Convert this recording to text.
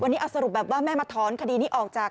วันนี้เอาสรุปแบบว่าแม่มาถอนคดีนี้ออกจาก